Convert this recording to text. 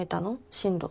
進路。